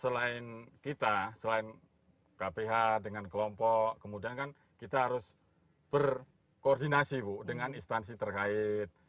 selain kita selain kph dengan kelompok kemudian kan kita harus berkoordinasi bu dengan instansi terkait